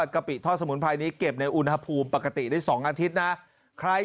กปิทอดสมุนไพรนี้เก็บในอุณหภูมิปกติได้๒อาทิตย์นะใคร